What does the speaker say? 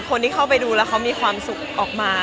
คนที่เข้าไปดูแล้วเขามีความสุขออกมา